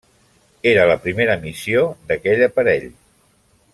Era la primera missió d'aquell aparell.